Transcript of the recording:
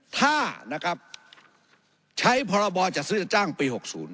ถ้าใช้พบจัดซื้อจัดตั้งปรี๖๐